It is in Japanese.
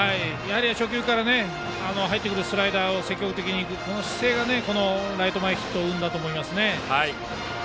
初球から入ってくるスライダーを積極的に行く姿勢がライト前ヒットを生んだと思います。